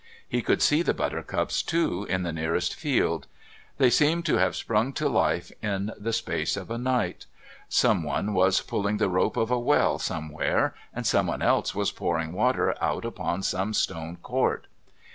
He could see the buttercups, too, in the nearest field; they seemed to have sprung to life in the space of a night. Someone was pulling the rope of a well somewhere and someone else was pouring water out upon some stone court.